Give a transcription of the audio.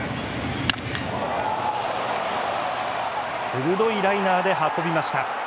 鋭いライナーで運びました。